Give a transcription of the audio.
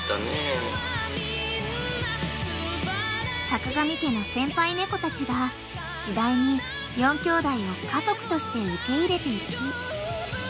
［坂上家の先輩猫たちが次第に４兄弟を家族として受け入れていき］